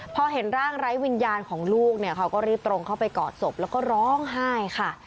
พอเห็นร่างไร้วิญญาณของลูกเนี่ยเขาก็รีบตรงเข้าไปกอดศพแล้วก็ร้องไห้ค่ะ